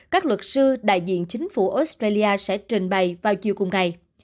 các luật sư đại diện chính phủ australia sẽ trình bày vào chiều cùng ngày